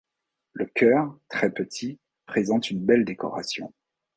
Le chœur, très petit, présente une belle décoration.